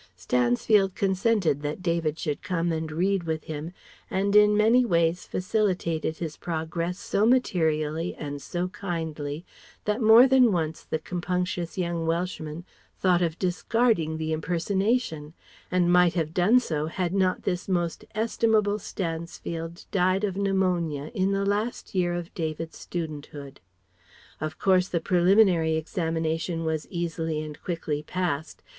Stansfield consented that David should come and read with him, and in many ways facilitated his progress so materially and so kindly that more than once the compunctious young Welshman thought of discarding the impersonation; and might have done so had not this most estimable Stansfield died of pneumonia in the last year of David's studenthood. Of course the preliminary examination was easily and quickly passed.